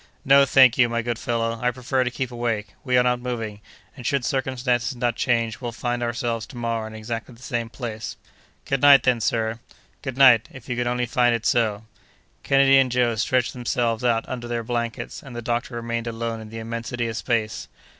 "No, thank you, my good fellow, I prefer to keep awake. We are not moving, and should circumstances not change, we'll find ourselves to morrow in exactly the same place." "Good night, then, sir!" "Good night, if you can only find it so!" Kennedy and Joe stretched themselves out under their blankets, and the doctor remained alone in the immensity of space.